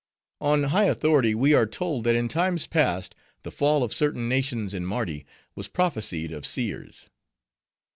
"On high authority, we are told that in times past the fall of certain nations in Mardi was prophesied of seers."